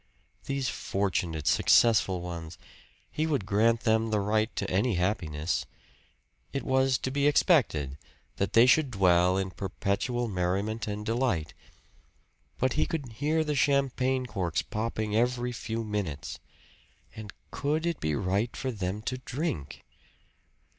These fortunate successful ones he would grant them the right to any happiness it was to be expected that they should dwell in perpetual merriment and delight. But he could hear the champagne corks popping every few minutes. And COULD it be right for them to drink!